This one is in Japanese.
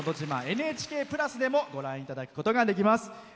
「ＮＨＫプラス」でもご覧いただくことができます。